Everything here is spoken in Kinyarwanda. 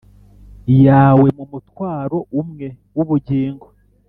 yawe mu mutwaro umwe w ubugingo